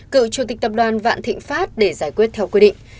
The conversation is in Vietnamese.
cựu chủ tịch tập đoàn vạn thịnh pháp để giải quyết theo quy định